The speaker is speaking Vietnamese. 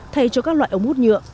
thay cho các loại ống hút nhựa